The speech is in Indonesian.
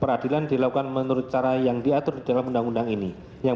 pemerintah menyatakan peradilan dilakukan menurut cara yang diatur dalam undang undang ini yang